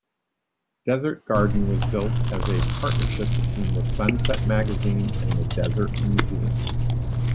Desert Garden was built as a partnership between "Sunset" magazine and the Desert Museum.